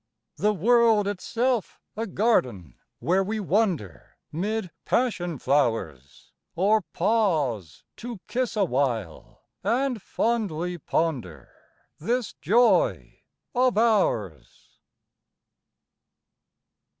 The world itself a garden, where we wander 'Mid passion flowers, Or pause to kiss a while, and fondly ponder This joy of ours.